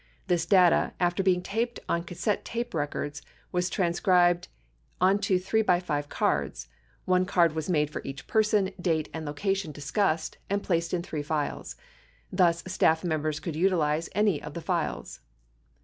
This data, after being taped on cassette tape records, was transcribed onto 3 x 5 cards. One card was made for each person, date and location dis cussed and placed in three files. Thus, staff members could utilize any of the files.